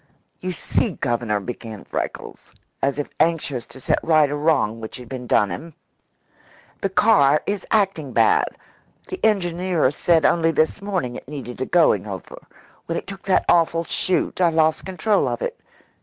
"You see, Governor," began Freckles, as if anxious to set right a great wrong which had been done him, "the car is acting bad. The engineer said only this morning it needed a going over. When it took that awful shoot, I lost control of it.